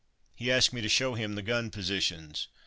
He asked me to show him the gun positions.